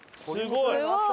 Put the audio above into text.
すごい！